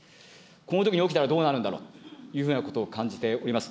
このときに起きたらどうなるんだろうというふうなことを感じております。